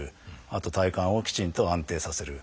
あと体幹をきちんと安定させる。